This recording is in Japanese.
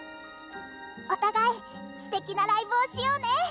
お互いステキなライブをしようね！」。